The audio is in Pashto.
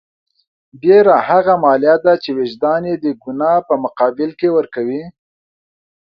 بېره هغه مالیه ده چې وجدان یې د ګناه په مقابل کې ورکوي.